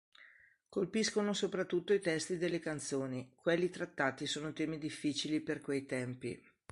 Colpiscono soprattutto i testi delle canzoni: quelli trattati sono temi "difficili" per quei tempi.